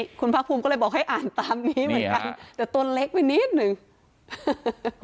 สคคุณภ้ากภูมิก็ได้บอกให้อ่านตามนี้แต่ต้นเล็กไปนิดนึก